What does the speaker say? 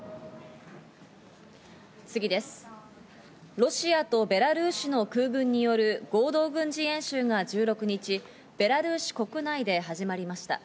ロシアとベラルーシの空軍による合同軍事演習が１６日、ベラルーシ国内で始まりました。